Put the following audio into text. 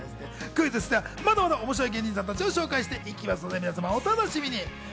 クイズッスではまだまだ面白い芸人さんたちを紹介してきますのでお楽しみに。